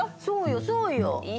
そうよそうよ。